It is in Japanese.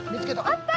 あった！